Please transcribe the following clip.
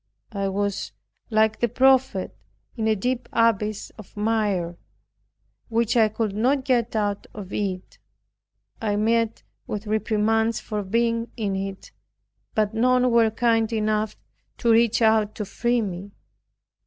I was (like the prophet) in a deep abyss of mire, which I could not get out off. I met with reprimands for being in it, but none were kind enough to reach out to free me.